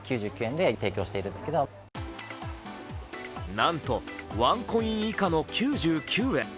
なんとワンコイン以下の９９円。